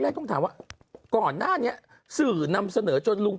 พลิกต๊อกเต็มเสนอหมดเลยพลิกต๊อกเต็มเสนอหมดเลย